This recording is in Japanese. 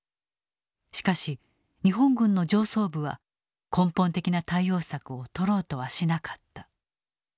しかし日本軍の上層部は根本的な対応策を取ろうとはしなかった。